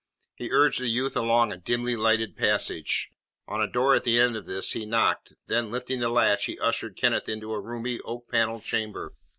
He urged the youth along a dimly lighted passage. On a door at the end of this he knocked, then, lifting the latch, he ushered Kenneth into a roomy, oak panelled chamber.